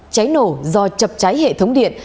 cháy nổ do chập cháy hệ thống điện